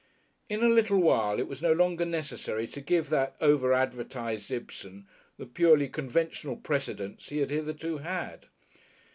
In a little while it was no longer necessary to give that over advertised Ibsen the purely conventional precedence he had hitherto had.